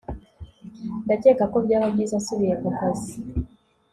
ndakeka ko byaba byiza nsubiye ku kazi